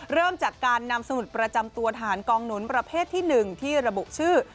เริ่มจากการนำสมุดประจำตัวทหารกองหนุนประเภทที่๑ที่ระบุชื่อ